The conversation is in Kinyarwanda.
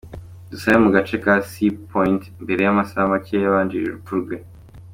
Dusabe mu gace ka Sea Point, mbere y’amasaha make yabanjirije urupfu rwe.